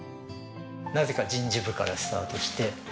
なぜか人事部からスタートしてはい。